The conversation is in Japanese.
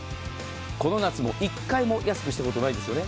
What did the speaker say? この夏も１回も安くしたことないんですよね。